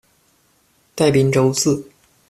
戴宾周，字？